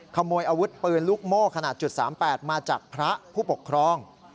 ขโมยอาวุธปืนลูกโม่ขนาด๓๘มาจากพระผู้ปกครอง